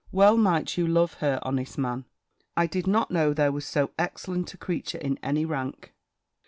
Well might you love her, honest man! I did not know there was so excellent a creature in any rank."